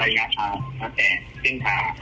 หลายอย่างนะครับแต่ขึ้นสาวครับ